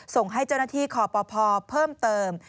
ส่งให้เจ้าหน้าที่คอปภเพิ่มเติม